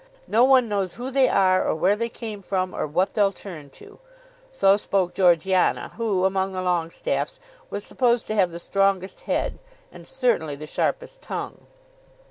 No one knows who they are, or where they came from, or what they'll turn to." So spoke Georgiana, who among the Longestaffes was supposed to have the strongest head, and certainly the sharpest tongue.